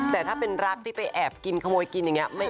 แต่ถ้าเป็นรักที่ไปแอบกินขโมยกินอย่างนี้